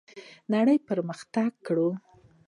نړۍ پرمختګ کړی.